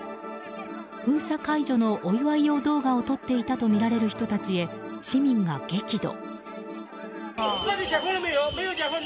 封鎖解除のお祝い用動画を撮っていたとみられる人たちへ市民が激怒。